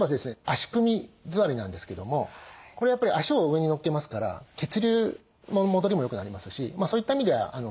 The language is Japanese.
足組み座りなんですけどもこれやっぱり足を上にのっけますから血流も戻りも良くなりますしそういった意味では非常に楽な姿勢。